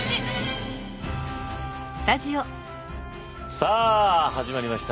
さあ始まりました。